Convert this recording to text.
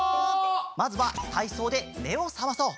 まずはたいそうでめをさまそう。